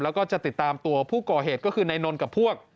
แล้วก็จะติดตามตัวผู้ก่อเหตุก็คือนายนนท์กับพวก